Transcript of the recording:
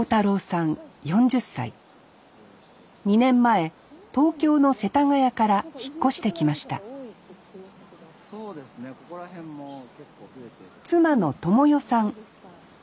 ２年前東京の世田谷から引っ越してきました妻の知世さん千花ちゃん